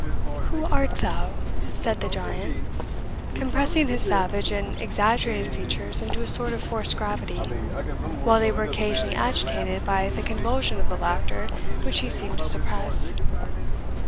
"Who art thou?" said the giant, compressing his savage and exaggerated features into a sort of forced gravity, while they were occasionally agitated by the convulsion of the laughter which he seemed to suppress.